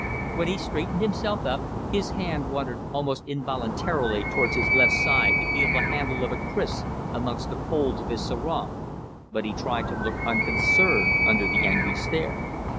When he straightened himself up his hand wandered almost involuntarily towards his left side to feel the handle of a kriss amongst the folds of his sarong, but he tried to look unconcerned under the angry stare.